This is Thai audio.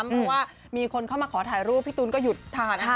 เพราะว่ามีคนเข้ามาขอถ่ายรูปพี่ตูนก็หยุดทานอาหาร